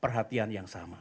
perhatian yang sama